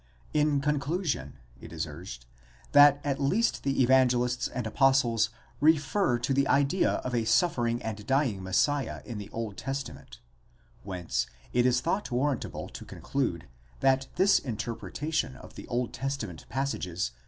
In conclusion, it is urged, that at least the Evangelists and apostles refer to the idea of a suffer ing and dying Messiah in the Old Testament ; whence it is thought warrant able to conclude, that this interpretation of 'the Old Testament passages.